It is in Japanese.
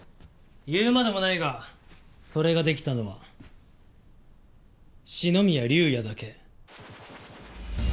言うまでもないがそれができたのは四ノ宮竜也だけ。